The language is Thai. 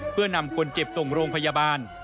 เพื่อนำคนเจ็บส่งโรงพยาบาล